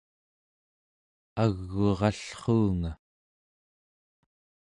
ag'urallruunga